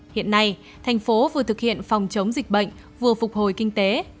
hiện nay thành phố vừa thực hiện phòng chống dịch bệnh vừa phục hồi kinh tế